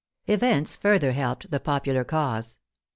Events further helped the popular cause.